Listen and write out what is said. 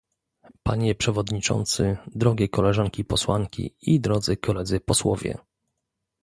Panie przewodniczący, drogie koleżanki posłanki i drodzy koledzy posłowie